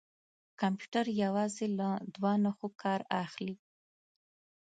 کمپیوټر یوازې له دوه نښو کار اخلي.